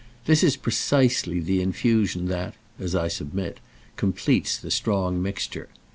This is precisely the infusion that, as I submit, completes the strong mixture.